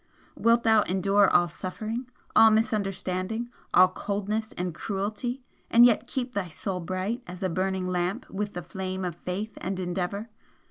Wilt thou endure all suffering, all misunderstanding, all coldness and cruelty, and yet keep thy soul bright as a burning lamp with the flame of faith and endeavour?